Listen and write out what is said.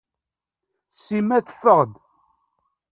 Sima teffeɣ-d.